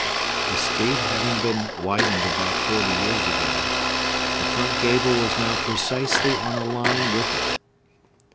The street having been widened about forty years ago, the front gable was now precisely on a line with it.